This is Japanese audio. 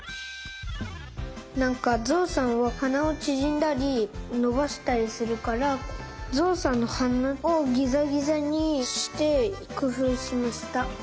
なんかぞうさんははなをちぢんだりのばしたりするからぞうさんのはなをギザギザにしてくふうしました。